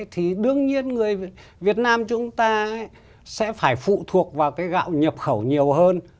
tương nhiên người việt nam chúng ta sẽ phải phụ thuộc vào cái gạo nhập khẩu nhiều hơn